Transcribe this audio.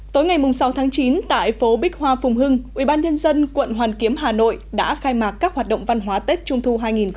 tối ngày sáu tháng chín tại phố bích hoa phùng hưng ubnd quận hoàn kiếm hà nội đã khai mạc các hoạt động văn hóa tết trung thu hai nghìn hai mươi